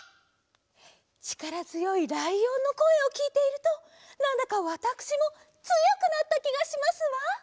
ちからづよいライオンのこえをきいているとなんだかわたくしもつよくなったきがしますわ！